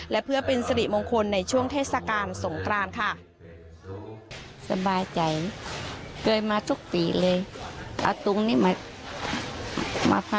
และเพื่อเป็นสิริมงคลในช่วงเทศกาลสงกรานค่ะ